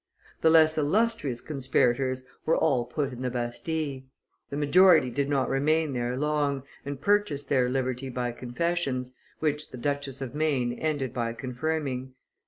The less illustrious conspirators were all put in the Bastille; the majority did not remain there long, and purchased their liberty by confessions, which the Duchess of Maine ended by confirming.